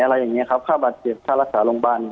อะไรอย่างเงี้ยครับค่าบาดเจ็บค่ารักษาโรงบ้านอย่าง